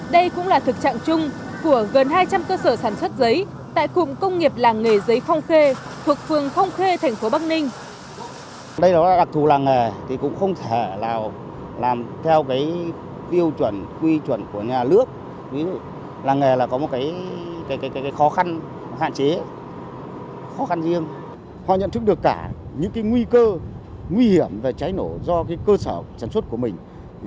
đây cũng là thực trạng chung của gần hai trăm linh cơ sở sản xuất giấy tại cụm công nghiệp làng nghề giấy phong khê thuộc phường phong khê tp bắc ninh